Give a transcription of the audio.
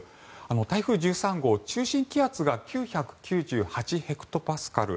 台風１３号、中心気圧が９９８ヘクトパスカル。